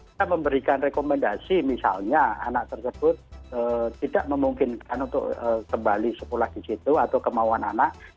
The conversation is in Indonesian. kita memberikan rekomendasi misalnya anak tersebut tidak memungkinkan untuk kembali sekolah di situ atau kemauan anak